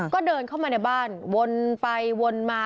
ก็เดินเข้ามาในบ้านวนไปวนมา